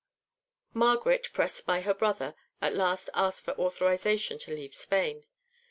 Margaret, pressed by her brother, at last asked for authorisation to leave Spain.